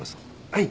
はい。